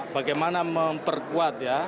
bagaimana memperkuat ya